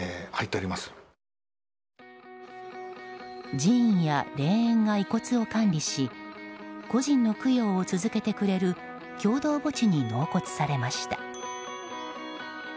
寺院や霊園が遺骨を管理し個人の供養を続けてくれる共同墓地に納骨されました。